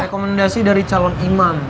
rekomendasi dari calon imam